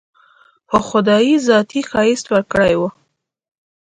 خو خداى ذاتي ښايست وركړى و.